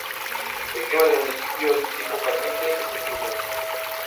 El clima del municipio es de tipo caliente y semi-húmedo.